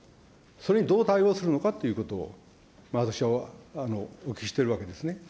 それにどう対応するのかということを、私はお聞きしているわけですね。